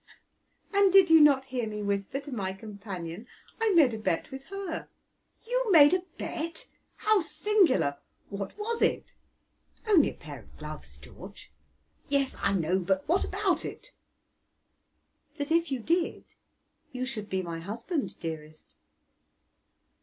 "And did you not hear me whisper to my companion? I made a bet with her." "You made a bet? how singular! What was it?" "Only a pair of gloves, George." "Yes, I know; but what about it?" "That if you did you should be my husband, dearest."